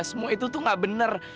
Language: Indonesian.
semua itu tuh ga bener